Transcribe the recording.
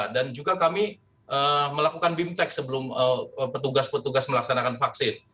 dan juga kami melakukan bimtek sebelum petugas petugas melaksanakan vaksin